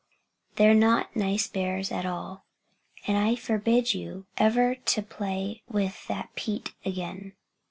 They're not nice bears at all. And I forbid you aver to play with that Peter again."